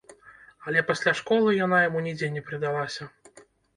Але пасля школы яна яму нідзе не прыдалася.